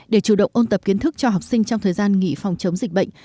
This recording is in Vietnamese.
để chủ động ôn tập kiến thức cho học sinh trong thời gian nghỉ phòng chống dịch bệnh